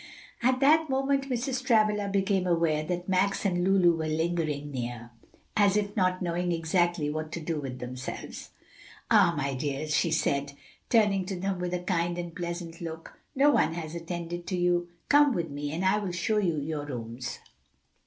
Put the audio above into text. At that moment Mrs. Travilla became aware that Max and Lulu were lingering near, as if not knowing exactly what to do with themselves. "Ah, my dears," she said, turning to them with a kind and pleasant look, "has no one attended to you? Come with me, and I will show you your rooms."